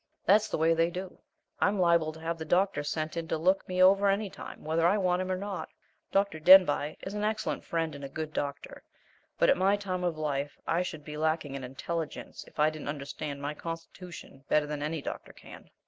That's the way they do I'm liable to have the doctor sent in to look me over any time, whether I want him or not. Dr. Denbigh is an excellent friend and a good doctor, but at my time of life I should be lacking in intelligence if I didn't understand my constitution better than any doctor can.